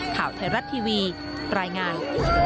ข่าวไทยรัฐทีวีรายงาน